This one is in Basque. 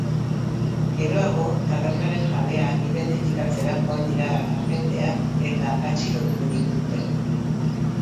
Geroago, tabernaren jabea identifikatzera joan dira agenteak, eta atxilotu egin dute.